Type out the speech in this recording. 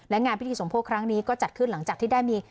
และงานพิธีสมโพธิครั้งนี้ก็จัดขึ้นหลังจากที่ได้มี